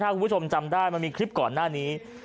ถ้าคุณผู้ชมจำได้มันมีคลิปก่อนหน้านี้